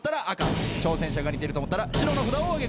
挑戦者が似てると思ったら白の札をお挙げください。